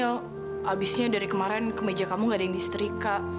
mil abisnya dari kemarin ke meja kamu gak ada yang diserika